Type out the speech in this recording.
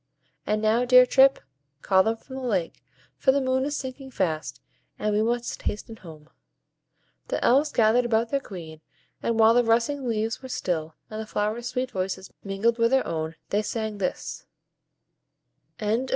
And now, dear Trip, call them from the lake, for the moon is sinking fast, and we must hasten home." The Elves gathered about their Queen, and while the rustling leaves were still, and the flowers' sweet voices mingled with their own, they sang this FAIRY SONG.